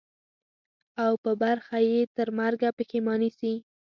او په برخه یې ترمرګه پښېماني سي.